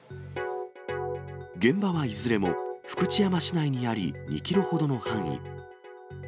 現場はいずれも福知山市内にあり、２キロほどの範囲。